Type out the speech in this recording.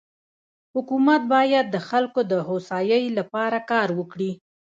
حکومت بايد د خلکو دهوسايي لپاره کار وکړي.